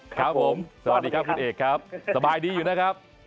ครับผมสวัสดีครับคุณเอกครับสบายดีอยู่นะครับ